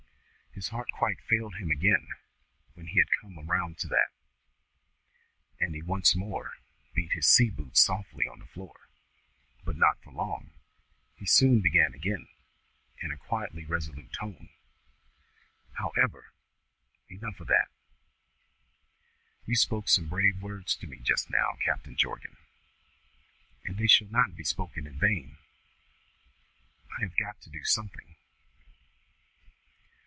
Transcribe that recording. His heart quite failed him again when he had come round to that, and he once more beat his sea boot softly on the floor. But not for long; he soon began again, in a quietly resolute tone. "However! Enough of that! You spoke some brave words to me just now, Captain Jorgan, and they shall not be spoken in vain. I have got to do something.